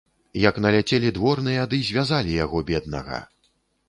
Як наляцелі дворныя ды звязалі яго, беднага.